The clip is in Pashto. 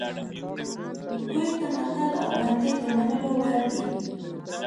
دوی ته متل او لنډۍ د منلو وړ دي